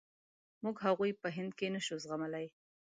موږ هغوی په هند کې نشو زغملای.